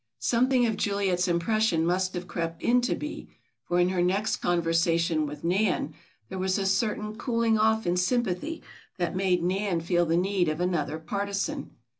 Something of Juliet's impression must have crept into Bee, for in her next conversation with Nan there was a certain cooling off in sympathy that made Nan feel the need of another partisan.